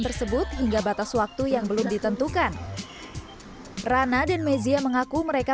tersebut hingga batas waktu yang belum ditentukan rana dan mezia mengaku mereka